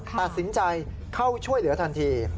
ตัดสินใจเข้าช่วยเหลือทันที